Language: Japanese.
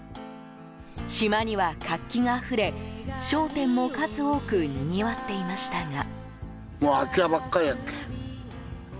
島には活気があふれ商店も数多くにぎわっていましたが。